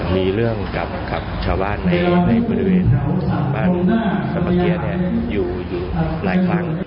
มีเรื่องกับชาวบ้านในบริเวณบ้านสรรพเกียร์อยู่หลายครั้ง